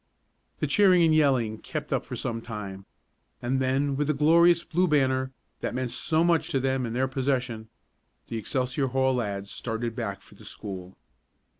The cheering and yelling kept up for some time; and then with the glorious Blue Banner, that meant so much to them in their possession, the Excelsior Hall lads started back for the school.